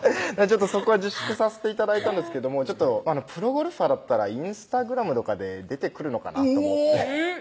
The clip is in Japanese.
そこは自粛させて頂いたんですけどもプロゴルファーだったらＩｎｓｔａｇｒａｍとかで出てくるのかなと思っておぉっ